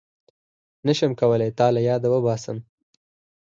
نشم کولای تا له ياده وباسم